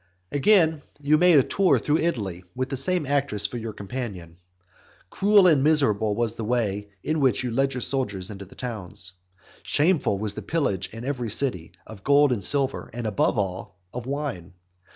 Again you made a tour through Italy, with that same actress for your companion. Cruel and miserable was the way in which you led your soldiers into the towns; shameful was the pillage in every city, of gold and silver, and above all, of wine.